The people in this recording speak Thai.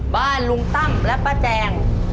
บ้านลุงตั้มและป้าแจง